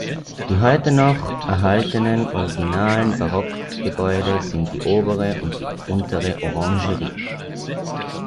Die heute noch erhaltenen originalen Barockgebäude sind die "Obere" und die "Untere Orangerie".